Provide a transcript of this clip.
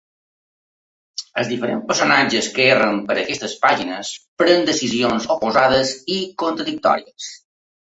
Els diferents personatges que erren per aquestes pàgines prenen decisions oposades i contradictòries.